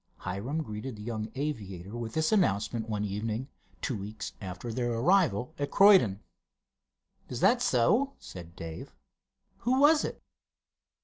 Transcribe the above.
Hiram greeted the young aviator with this announcement one evening, two weeks after their arrival at Croydon. "Is that so?" said Dave. "Who was it?"